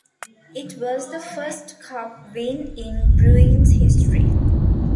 It was the first Cup win in Bruins history.